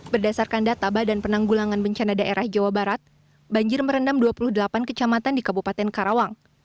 berdasarkan data badan penanggulangan bencana daerah jawa barat banjir merendam dua puluh delapan kecamatan di kabupaten karawang